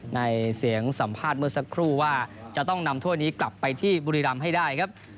ในเสียงสัมภาษณ์เมื่อสักครู่ว่าจะต้องนำถ้วยนี้กลับไปที่บุรีรำให้ได้ครับ